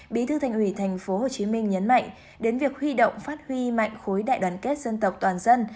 bí thư thành ủy tp hcm nhấn mạnh đến việc huy động phát huy mạnh khối đại đoàn kết dân tộc toàn dân